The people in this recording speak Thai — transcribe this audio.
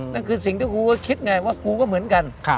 นั่นคือสิ่งที่กูก็คิดไงว่ากูก็เหมือนกัน